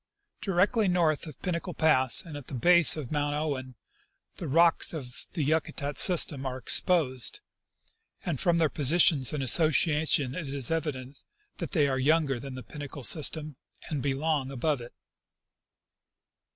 Directly north of Pinnacle pass, and at the base of Mount Owen, the rocks of the Yakutat system are exposed, and from their position and association it is evident that they are younger than the Pinnacle system and belong above it.